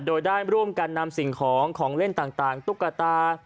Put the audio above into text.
โดยได้ร่วมกันนำสิ่งของของเล่นต่างตุ๊กตา